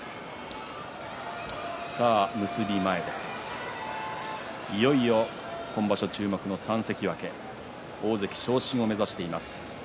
結び前、いよいよ今場所注目の３関脇大関昇進を目指しています。